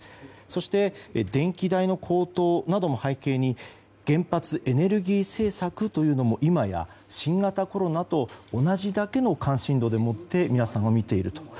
そして電気代の高騰なども背景に原発・エネルギー政策というのも今や新型コロナと同じだけの関心度でもって皆さんが見ていると。